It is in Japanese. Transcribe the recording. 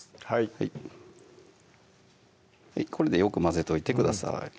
はいこれでよく混ぜといてください